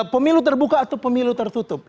pemilu terbuka atau pemilu tertutup